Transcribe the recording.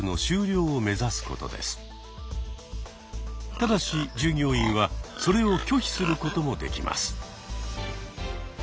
ただし従業員はそれを拒否することもできます。